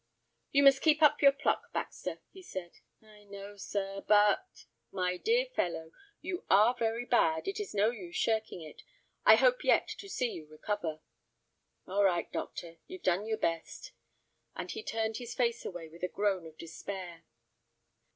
"You must keep up your pluck, Baxter," he said. "I know, sir, but—" "My dear fellow, you are very bad, it is no use shirking it. I hope yet to see you recover." "All right, doctor, you've done your best," and he turned his face away with a groan of despair.